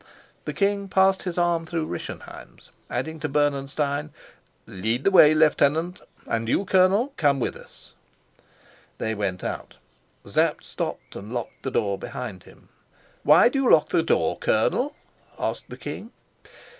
The king passed his arm through Rischenheim's, adding to Bernenstein, "Lead the way, Lieutenant; and you, Colonel, come with us." They went out. Sapt stopped and locked the door behind him. "Why do you lock the door, Colonel?" asked the king.